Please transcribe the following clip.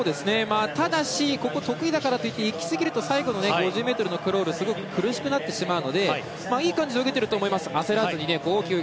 ただし、ここが得意だからといっていきすぎるといきすぎると最後の５０ｍのクロールが苦しくなりますがいい感じで泳げていると思います。